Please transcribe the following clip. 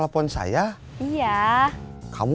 udah berani mau ikut pake aku